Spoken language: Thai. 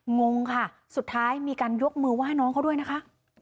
งงค่ะสุดท้ายมีการยกมือไหว้น้องเขาด้วยนะคะ